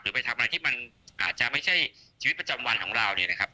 ไปทำอะไรที่มันอาจจะไม่ใช่ชีวิตประจำวันของเราเนี่ยนะครับ